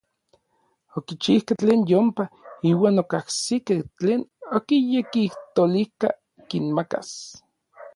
Okichijkej tlen yompa, iuan okajsikej tlen okinyekijtolijka kinmakas.